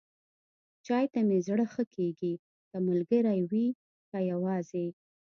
چای ته مې زړه ښه کېږي، که ملګری وي، که یواځې.